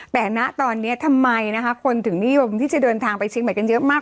แต่ณตอนนี้ทำไมนะคะคนถึงนิยมที่จะเดินทางไปเชียงใหม่กันเยอะมาก